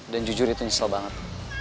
dan jujur itu nyesel banget